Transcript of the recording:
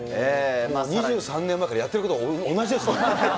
２３年前からやってることが同じですね。